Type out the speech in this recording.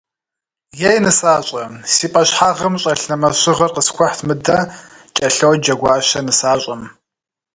Ей нысащӏэ, си пӏэщхьагъым щӏэлъ нэмэз щыгъэр къысхуэхьыт мыдэ, — кӏэлъоджэ Гуащэ нысащӏэм.